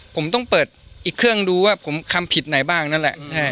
ผมต้องเปิดอีกเครื่องดูว่าผมทำผิดไหนบ้างนั่นแหละ